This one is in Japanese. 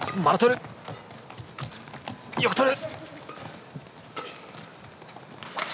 よくとる。